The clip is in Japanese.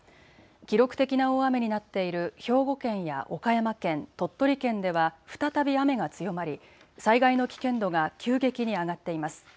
記録的な大雨になっている兵庫県や岡山県、鳥取県では再び雨が強まり災害の危険度が急激に上がっています。